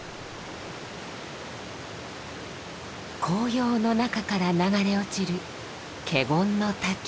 紅葉の中から流れ落ちる華厳の滝。